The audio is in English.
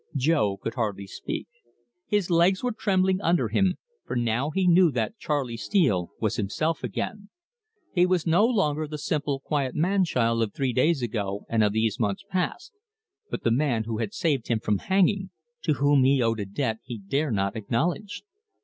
Jo could hardly speak. His legs were trembling under him, for now he knew that Charley Steele was himself again. He was no longer the simple, quiet man child of three days ago, and of these months past, but the man who had saved him from hanging, to whom he owed a debt he dare not acknowledge.